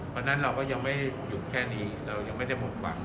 เพราะฉะนั้นเราก็ยังไม่หยุดแค่นี้เรายังไม่ได้หมดหวัง